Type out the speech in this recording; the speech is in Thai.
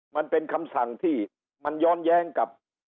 มันเป็นคำสั่งที่มันย้อนแย้งกับ